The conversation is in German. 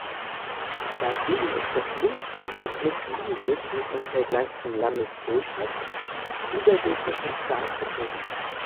Dagegen ist das Linksbündnis mit sieben Sitzen im Vergleich zum Landesdurchschnitt überdurchschnittlich stark vertreten.